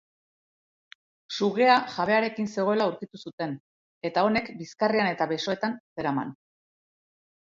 Sugea jabearekin zegoela aurkitu zuten, eta honek bizkarrean eta besoetan zeraman.